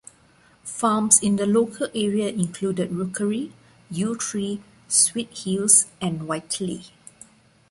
Farms in the local area included Rookery, Yew Tree, Sweethills and Whiteley.